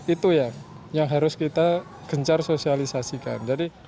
itu yang harus kita gencar sosialisasikan